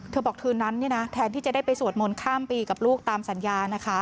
บอกคืนนั้นแทนที่จะได้ไปสวดมนต์ข้ามปีกับลูกตามสัญญานะคะ